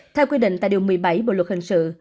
theo quy định tại điều một mươi bảy bộ luật hình sự